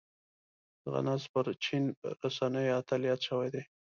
دغه نرس پر چين رسنيو اتل ياد شوی دی.